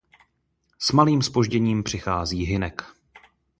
S malým zpožděním přichází Hynek.